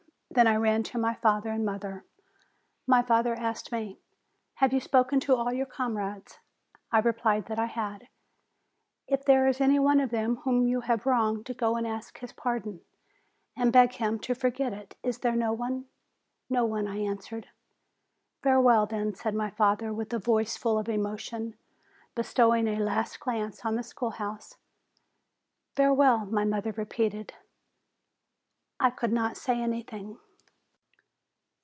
Then I ran to my father and mother. My father asked me : "Have you spoken to all your comrades?" I replied that I had. "If there is any one of them whom you have wronged, go and asked his pardon, and beg him to for get it. Is there no one?" "No one," I answered. "Farewell, then," said my father with a voice full of emotion, bestowing a last glance on the schoolhouse. "Farewell!" my mother repeated. I could not say anything.